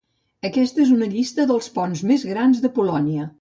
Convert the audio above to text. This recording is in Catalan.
Aquesta és una llista dels ponts més grans de Polònia.